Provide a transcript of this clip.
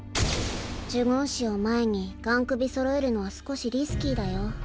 呪言師を前に雁首そろえるのは少しリスキーだよ。